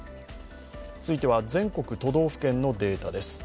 続いては全国都道府県のデータです。